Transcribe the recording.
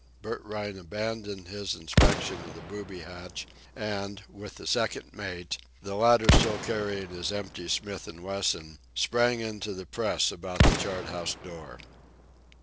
Bert Rhine abandoned his inspection of the booby hatch, and, with the second mate, the latter still carrying his empty Smith & Wesson, sprang into the press about the chart house door.